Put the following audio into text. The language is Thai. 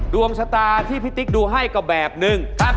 ดวงชะตาที่พี่ติ๊กดูให้ก็แบบนึง